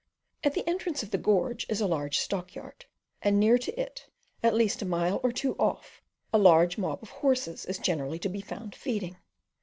At the entrance of the gorge is a large stockyard, and near to it, at least a mile or two off, a large mob of horses is generally to be found feeding.